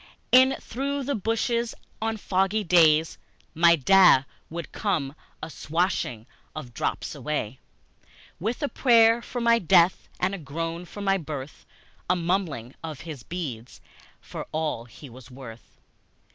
In through the bushes, on foggy days, My Da would come a swishing of the drops away, With a prayer for my death and a groan for my birth, A mumbling of his beads for all he was worth.